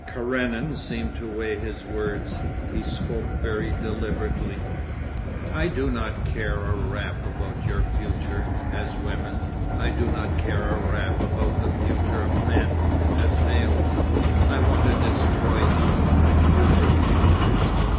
Karenin seemed to weigh his words. He spoke very deliberately. 'I do not care a rap about your future—as women. I do not care a rap about the future of men—as males. I want to destroy these peculiar futures.